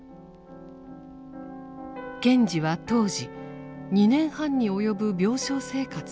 賢治は当時２年半に及ぶ病床生活を終えたばかりでした。